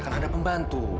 kan ada pembantu